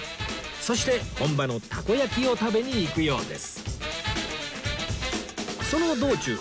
そして本場のたこ焼きを食べに行くようです